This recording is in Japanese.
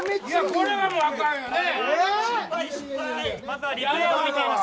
これはもうあかんよね。